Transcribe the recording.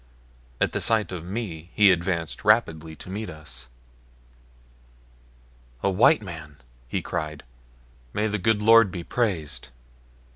At sight of me he advanced rapidly to meet us. "A white man!" he cried. "May the good Lord be praised!